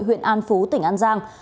huyện an phú tỉnh an giang